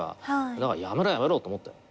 だから「やめろやめろ」と思ったよ。